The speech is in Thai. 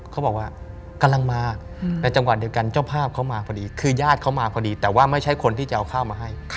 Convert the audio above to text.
เขาบอกว่ากำลังมาในจังหวัดเดียวกันเจ้าภาพเขามาพอดีคือญาติเขามาพอดีแต่ว่าไม่ใช่คนที่จะเอาข้าวมาให้